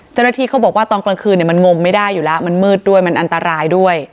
เจ้าหน้าที่เขาบอกว่าตอนกลางคืนมันงมไม่ได้อยู่แล้วมันมืดด้วยมันอันตรายด้วย